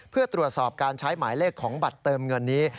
เพื่อตรวจสอบการใช้หมายเลขของบัตรเติมเงินนี้